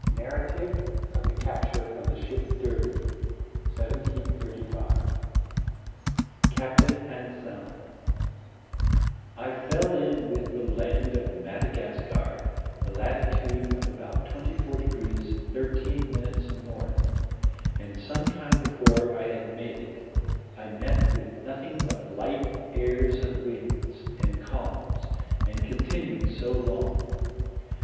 NARRATIVE OF THE CAPTURE OF THE SHIP DERBY, 1735 CAPTAIN ANSELM I fell in with the Land of Madagascar, the Latitude of about 24 Degrees, 13 Minutes North: And some time before I had made it, I met with nothing but light Airs of Winds, and Calms, and continued so long.